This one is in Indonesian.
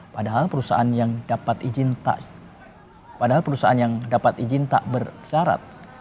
padahal perusahaan yang dapat izin tak bersyarat